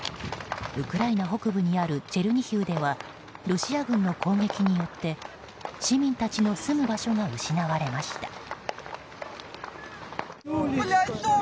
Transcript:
ウクライナ北部にあるチェルニヒウではロシア軍の攻撃によって市民たちの住む場所が失われました。